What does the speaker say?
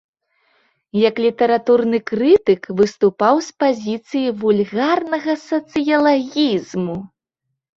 Як літаратурны крытык выступаў з пазіцый вульгарнага сацыялагізму.